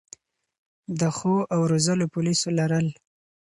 د ښو او روزلو پولیسو لرل